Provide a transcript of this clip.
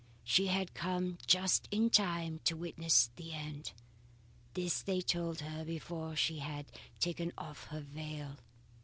She had come just in time to witness the end. This they told her before she had taken off her veil.